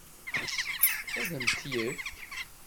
Ad m-t-yefk?